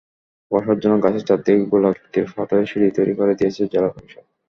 বসার জন্য গাছের চারদিকে গোলাকৃতির পাথরের সিঁড়ি তৈরি করে দিয়েছে জেলা পরিষদ।